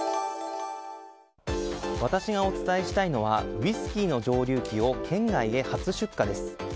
私がお伝えしたいのはウイスキーの蒸留器を県外へ初出荷です。